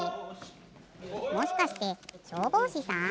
もしかしてしょうぼうしさん？